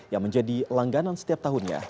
yang menjadi langganan setiap tahunnya